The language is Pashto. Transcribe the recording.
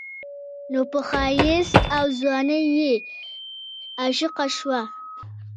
نو پۀ ښايست او ځوانۍ يې عاشقه شوه